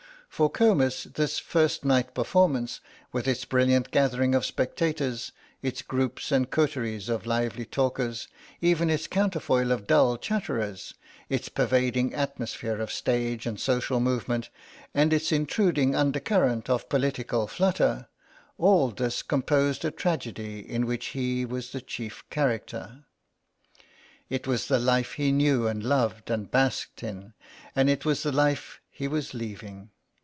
For Comus this first night performance, with its brilliant gathering of spectators, its groups and coteries of lively talkers, even its counterfoil of dull chatterers, its pervading atmosphere of stage and social movement, and its intruding undercurrent of political flutter, all this composed a tragedy in which he was the chief character. It was the life he knew and loved and basked in, and it was the life he was leaving.